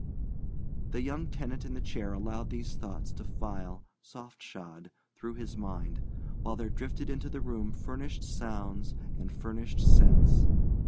The young tenant in the chair allowed these thoughts to file, soft shod, through his mind, while there drifted into the room furnished sounds and furnished scents.